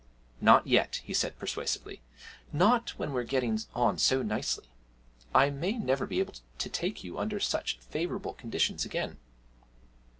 'Not yet,' he said persuasively, 'not when we're getting on so nicely. I may never be able to take you under such favourable conditions again.'